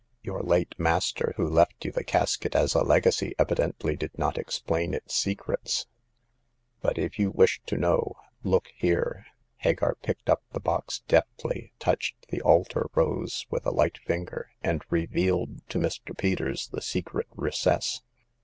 Your late master, who left 3^ou the casket as a legacy, evidently did not explain its secrets. But if yoii wish to know, look here ?" Hagar picked up the box deftly, touched the altar rose with a light finger, and revealed to Mr. Peters the secret recess.